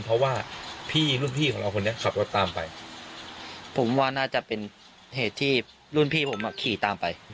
ผมว่าน่าจะเป็นเหตุที่รุ่นพี่ผมอ่ะขี่ตามไป